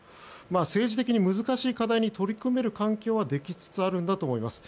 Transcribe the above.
政治的に難しい課題に取り組める環境はできつつあるんだと思います。